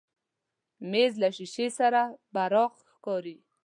مېز له شیشې سره براق ښکاري.